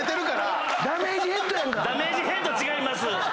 ダメージヘッド違います。